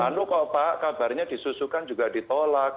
lalu kok pak kabarnya disusukan juga ditolak